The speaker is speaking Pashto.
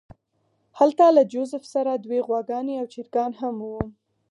هلته له جوزف سره دوې غواګانې او چرګان هم وو